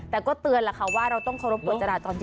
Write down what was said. แต่ก็เตือนเราต้องเคารพจราตรอน